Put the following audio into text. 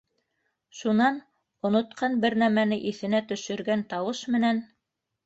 Шунан онотҡан бер нәмәне иҫенә төшөргән тауыш менән: